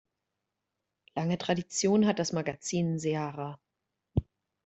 Lange Tradition hat das Magazin Seara.